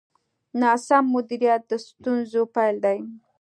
ناسم مدیریت د ستونزو پیل دی.